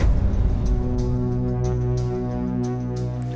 ไม่ค่ะ